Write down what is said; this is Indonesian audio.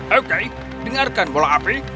oke dengarkan bola api